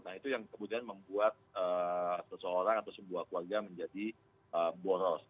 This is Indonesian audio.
nah itu yang kemudian membuat seseorang atau sebuah keluarga menjadi boros